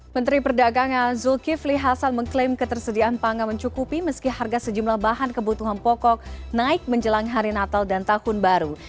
menteri perdagangan zulkifli hasan mengklaim ketersediaan pangan mencukupi meski harga sejumlah bahan kebutuhan pokok naik menjelang hari natal dan tahun baru